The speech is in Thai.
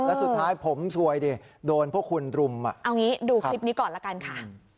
แล้วสุดท้ายผมซวยดิโดนพวกคุณรุมอ่ะเอางี้ดูคลิปนี้ก่อนละกันค่ะ